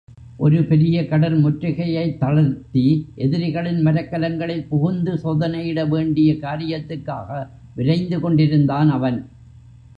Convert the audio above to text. ஒரு பெரிய கடல் முற்றுகையைத் தளர்த்தி எதிரிகளின் மரக்கலங்களில் புகுந்து சோதனையிட வேண்டிய காரியத்துக்காக விரைந்து கொண்டிருந்தான் அவன்.